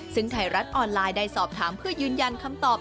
ซึ่งไทยรัฐออนไลน์ได้สอบถามเพื่อยืนยันคำตอบ